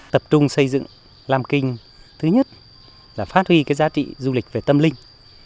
tập trung xây dựng lam kinh thứ nhất là phát huy cái giá trị du lịch về tâm linh